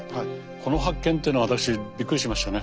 この発見っていうのは私びっくりしましたね。